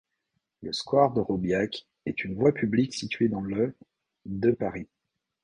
Le square de Robiac est une voie publique située dans le de Paris.